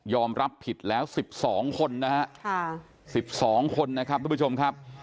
รับผิดแล้ว๑๒คนนะฮะ๑๒คนนะครับทุกผู้ชมครับ